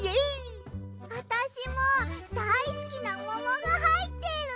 あたしもだいすきなももがはいってる！